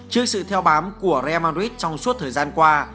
trước sự theo bám của real madrid trong suốt thời gian qua